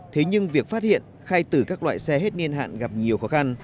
thế nhưng việc phát hiện khai tử các loại xe hết niên hạn gặp nhiều khó khăn